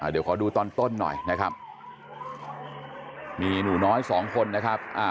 เดี๋ยวขอดูตอนต้นหน่อยนะครับมีหนูน้อยสองคนนะครับ